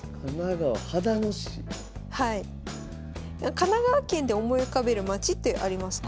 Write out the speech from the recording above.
神奈川県で思い浮かべる街ってありますか？